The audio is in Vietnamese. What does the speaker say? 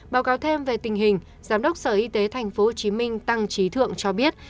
báo cáo thêm về tình hình giám đốc sở y tế tp hcm tăng trí thượng cho biết